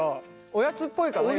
おやつっぽいかなより。